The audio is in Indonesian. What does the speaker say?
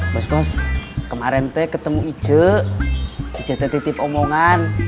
bos kos kemarin teh ketemu icet icetnya titip omongan